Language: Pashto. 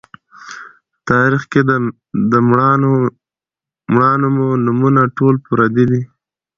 تاریخ کښې د مــړانو مـو نومــونه ټول پردي دي